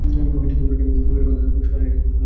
বিবাহের তো কোনা কথা শোনা যায় নি– রসিক।